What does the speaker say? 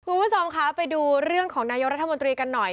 คุณผู้ชมคะไปดูเรื่องของนายกรัฐมนตรีกันหน่อย